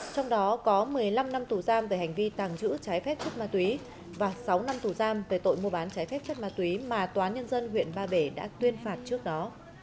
trong đó có một mươi năm năm tù giam về hành vi tàng trữ trái phép chất ma túy và sáu năm tù giam về tội mua bán trái phép chất ma túy mà tòa nhân dân huyện ba bể đã tuyên phạt trước đó